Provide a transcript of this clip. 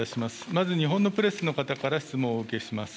まず日本のプレスの方から質問をお受けします。